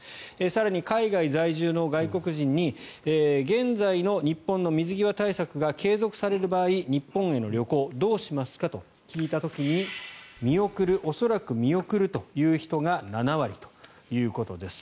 更に、海外在住の外国人に現在の日本の水際対策が継続される場合日本への旅行、どうしますかと聞いた時に見送る、恐らく見送るという人が７割ということです。